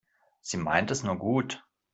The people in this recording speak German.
Sie meint es nur gut.